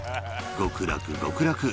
極楽、極楽。